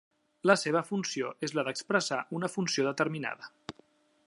La seva funció és la d'expressar una funció determinada.